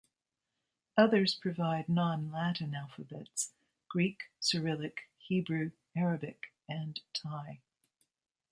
Others provide non-Latin alphabets: Greek, Cyrillic, Hebrew, Arabic and Thai.